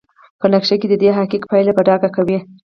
په نقشه کې ددې حقیق پایلې په ډاګه کوي.